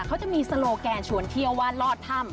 เขาจะมีโซโลแกนชวนเที่ยวว่าลอดถ้ำ